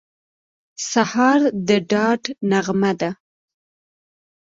سهار د ډاډ نغمه ده.